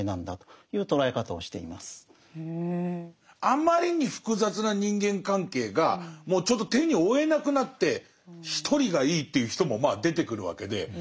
あまりに複雑な人間関係がもうちょっと手に負えなくなって一人がいいっていう人もまあ出てくるわけで。